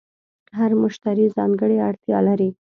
هر مشتری ځانګړې اړتیا لري.